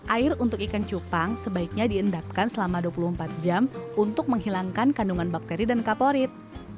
air untuk ikan cupang sebaiknya diendapkan selama dua puluh empat jam untuk menghilangkan kandungan bakteri dan kaporit